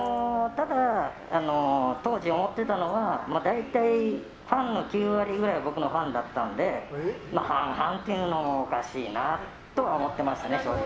ただ、当時思ってたのは大体、ファンの９割ぐらい僕のファンだったので半々っていうのもおかしいなとは思ってましたね、正直。